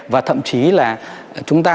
và thậm chí là chúng ta